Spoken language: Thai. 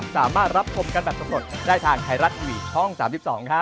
สวัสดีครับ